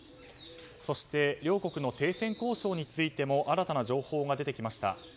そして両国の停戦交渉についても新たな情報が出てきました。